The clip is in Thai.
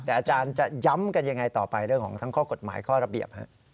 แต่อาจารย์จะย้ำกันยังไงต่อไปเรื่องของทั้งข้อกฎหมายข้อระเบียบ